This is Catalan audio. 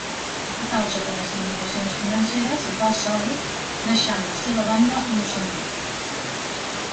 A causa de les limitacions financeres, va sol, deixant la seva banda a Moçambic.